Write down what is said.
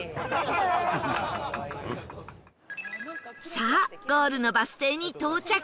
さあゴールのバス停に到着